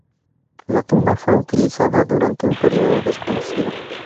La tumba fue utilizada durante un período desconocido.